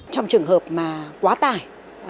trong trường hợp quá tài